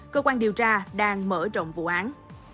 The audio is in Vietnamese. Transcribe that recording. cơ quan điều tra đang mở rộng vụ án